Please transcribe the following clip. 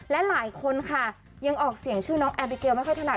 และหลายคนค่ะยังออกเสียงชื่อน้องแอบิเกลไม่ค่อยถนัด